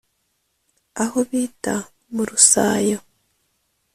aho bita mu Rusayo